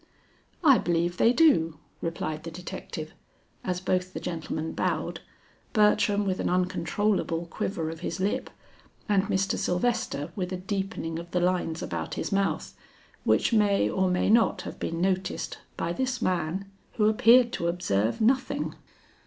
"I believe they do," replied the detective, as both the gentlemen bowed, Bertram with an uncontrollable quiver of his lip, and Mr. Sylvester with a deepening of the lines about his mouth, which may or may not have been noticed by this man who appeared to observe nothing.